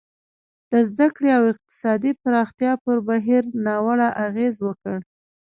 د زده کړې او اقتصادي پراختیا پر بهیر ناوړه اغېز وکړ.